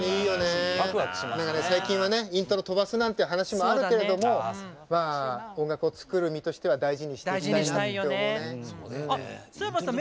最近はイントロを飛ばすなんて話もあるけど音楽を作る身としては大事にしていきたいなと思うよね。